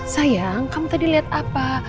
sayang kamu tadi lihat apa